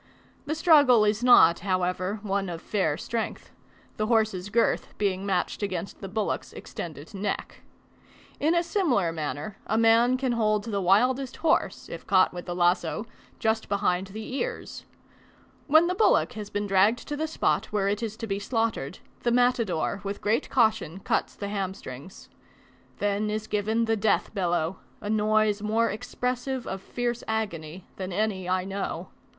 The struggle is not, however, one of fair strength; the horse's girth being matched against the bullock's extended neck. In a similar manner a man can hold the wildest horse, if caught with the lazo, just behind the ears. When the bullock has been dragged to the spot where it is to be slaughtered, the matador with great caution cuts the hamstrings. Then is given the death bellow; a noise more expressive of fierce agony than any I know.